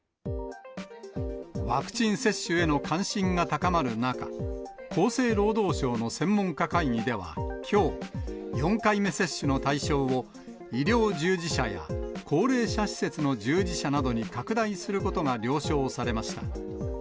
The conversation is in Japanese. ワクチン接種への関心が高まる中、厚生労働省の専門家会議では、きょう、４回目接種の対象を、医療従事者や高齢者施設の従事者などに拡大することが了承されました。